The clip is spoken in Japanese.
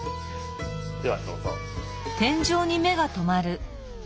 ではどうぞ。